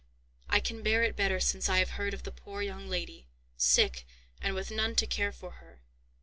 "I can bear it better since I have heard of the poor young lady, sick and with none to care for her.